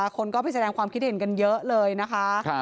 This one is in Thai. คนก็ไปแสดงความคิดเห็นกันเยอะเลยนะคะ